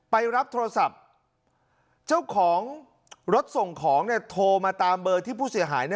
ไปรับโทรศัพท์เจ้าของรถส่งของโทรมาตามเบอร์ที่ผู้เสียหาย